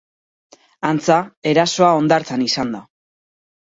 Antza, erasoa hondartzan izan da.